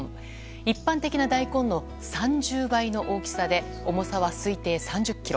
一般的な大根の３０倍の大きさで重さは推定３０ｋｇ。